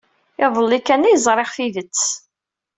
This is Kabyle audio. Iḍelli kan ay ẓriɣ tidet.